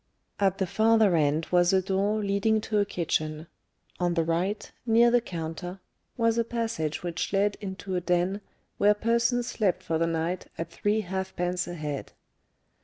At the farther end was a door leading to a kitchen; on the right, near the counter, was a passage which led into a den where persons slept for the night at three halfpence a head.